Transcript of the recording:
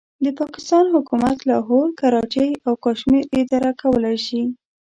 د پاکستان حکومت لاهور، کراچۍ او کشمیر اداره کولای شي.